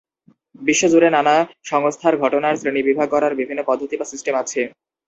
বিশ্ব জুড়ে নানা সংস্থার ঘটনার শ্রেণীবিভাগ করার বিভিন্ন পদ্ধতি বা সিস্টেম আছে।